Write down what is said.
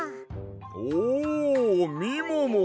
おみもも！